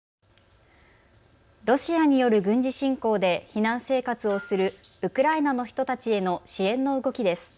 ロシアによる軍事侵攻で避難生活をするウクライナの人たちへの支援の動きです。